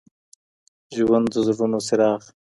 ژوند د زړونو څراغ